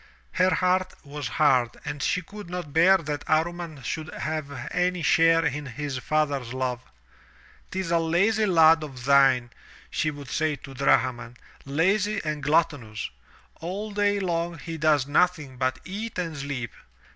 Her heart was hard and she could not bear that Amman should have any share in his father's love. " 'Tis a lazy lad of thine," she would say to Drahman, "lazy and gluttonous. All day long he does nothing but eat and sleep.